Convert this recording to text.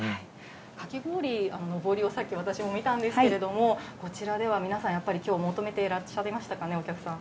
かき氷ののぼりを、私も見たんですけれども、こちらでは皆さん、やっぱりきょう、求めてらっしゃいましたかね、お客さん。